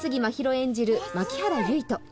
演じる牧原唯斗